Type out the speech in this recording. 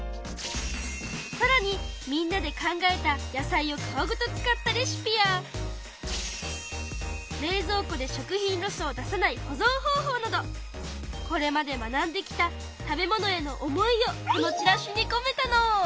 さらにみんなで考えた野菜を皮ごと使ったレシピや冷蔵庫で食品ロスを出さない保ぞん方法などこれまで学んできた食べ物への思いをこのチラシにこめたの！